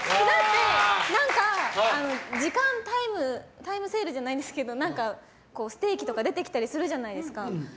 何かタイムセールじゃないんですけどステーキとか出てきたりするじゃないですか。